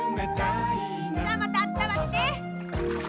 さあまたあったまって。